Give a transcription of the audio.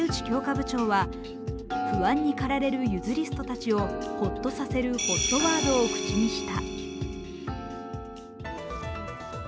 部長は不安にかられるユヅリストたちをほっとさせるＨＯＴワードを口にした。